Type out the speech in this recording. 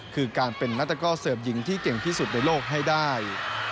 คือการเป็นนักตะก้อเสิร์ฟหญิงที่เก่งที่สุดในโลกให้ได้